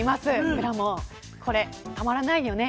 くらもん、これたまらないよね。